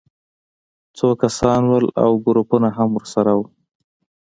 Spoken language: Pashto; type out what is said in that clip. څو کسان وو او ګروپونه هم ورسره وو